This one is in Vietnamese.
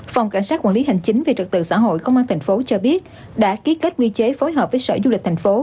phòng cảnh sát quản lý hành chính về trật tự xã hội công an tp hcm cho biết đã ký kết quy chế phối hợp với sở du lịch thành phố